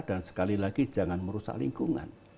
dan sekali lagi jangan merusak lingkungan